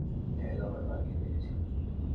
টাগ, আমার মা-কে দেখেছ?